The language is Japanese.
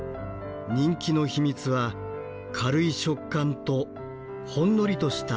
人気の秘密は軽い食感とほんのりとした甘み。